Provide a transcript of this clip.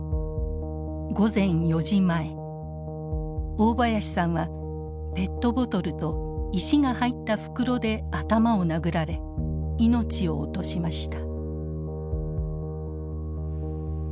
大林さんはペットボトルと石が入った袋で頭を殴られ命を落としました。